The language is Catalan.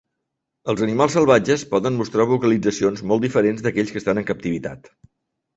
Els animals salvatges poden mostrar vocalitzacions molt diferents d'aquells que estan en captivitat.